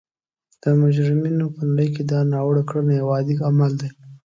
د مجرمینو په نړۍ کې دا ناوړه کړنه یو عادي عمل دی